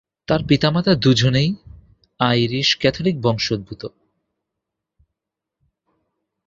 তার পিতামাতা দুজনেই আইরিশ ক্যাথলিক বংশোদ্ভূত।